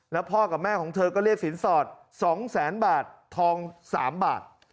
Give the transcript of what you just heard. แล้วพ่อกับแม่ของเธอก็เรียกสินสอด๒แสนบาททอง๓บาท